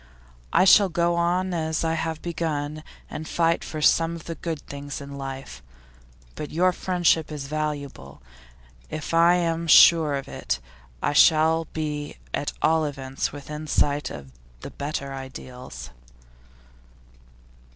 'I shall go on as I have begun, and fight for some of the good things of life. But your friendship is valuable. If I am sure of it, I shall be at all events within sight of the better ideals.